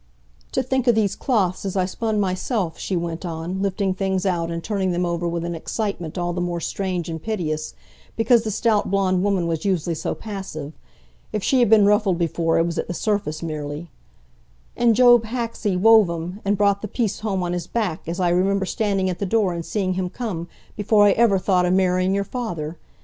"To think o' these cloths as I spun myself," she went on, lifting things out and turning them over with an excitement all the more strange and piteous because the stout blond woman was usually so passive,—if she had been ruffled before, it was at the surface merely,—"and Job Haxey wove 'em, and brought the piece home on his back, as I remember standing at the door and seeing him come, before I ever thought o' marrying your father!